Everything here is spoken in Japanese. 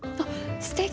すてき！